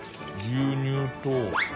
牛乳と。